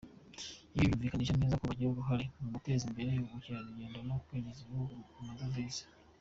Ibi byumvikanisha neza ko bigira uruhare mu guteza imbere ubukerarugendo no kwinjiriza igihugu amadovize.